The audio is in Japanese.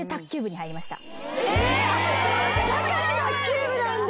だから卓球部なんだ。